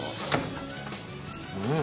うん！